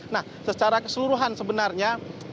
nah secara keseluruhan sebenarnya